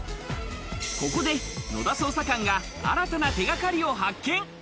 ここで野田捜査官が新たな手掛かりを発見。